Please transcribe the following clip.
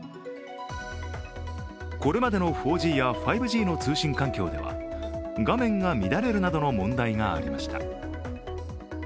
これまでの４Ｇや５Ｇの通信環境では画面が乱れるなどの問題がありました。